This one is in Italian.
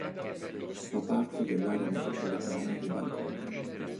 Fa parte dell'area metropolitana di Bangkok.